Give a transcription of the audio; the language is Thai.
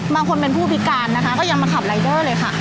บางคนเป็นผู้พิการนะคะก็ยังมาขับรายเดอร์เลยค่ะ